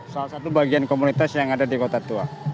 salah satu bagian komunitas yang ada di kota tua